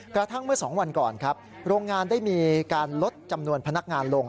กระทั่งเมื่อ๒วันก่อนครับโรงงานได้มีการลดจำนวนพนักงานลง